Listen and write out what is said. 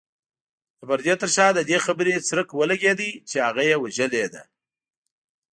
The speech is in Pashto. د پردې تر شا د دې خبرې څرک ولګېد چې هغه يې وژلې ده.